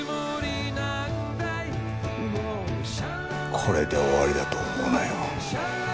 これで終わりだと思うなよ。